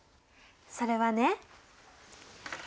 それはね